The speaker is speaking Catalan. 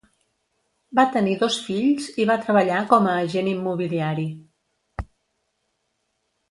Va tenir dos fills i va treballar com a agent immobiliari.